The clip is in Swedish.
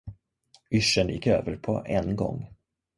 Yrseln gick över på en gång.